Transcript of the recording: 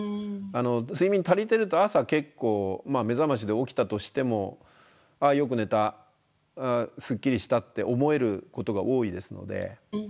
睡眠足りてると朝結構目覚ましで起きたとしてもああよく寝たすっきりしたって思えることが多いですので。